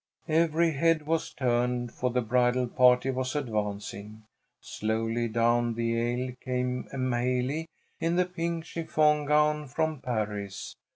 Every head was turned, for the bridal party was advancing. Slowly down the aisle came M'haley, in the pink chiffon gown from Paris.